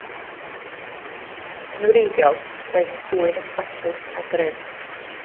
Yn wreiddiol, roedd yn swydd o statws a grym.